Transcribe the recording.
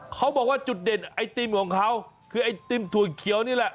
เขาบอกว่าจุดเด่นไอติมของเขาคือไอติมถั่วเขียวนี่แหละ